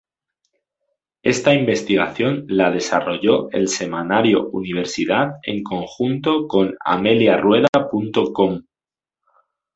Esta investigación la desarrolló el Semanario Universidad en conjunto con ameliarueda.com.